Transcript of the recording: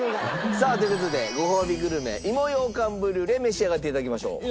さあという事でごほうびグルメ芋ようかんブリュレ召し上がって頂きましょう。